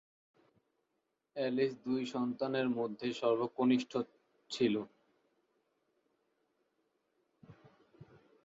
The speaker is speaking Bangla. অ্যালিস দুই সন্তানের মধ্যে সর্বকনিষ্ঠ ছিল।